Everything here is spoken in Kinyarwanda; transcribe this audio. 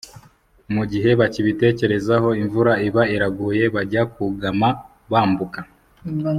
Mu gihe bakibitekerezaho, imvura iba iraguye. Bajya kugama , bambuka